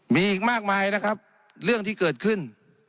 มีอีกมากมายนะครับเรื่องที่เกิดขึ้น